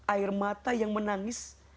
air mata yang menangis